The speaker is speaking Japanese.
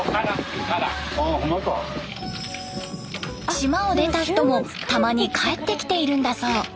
島を出た人もたまに帰ってきているんだそう。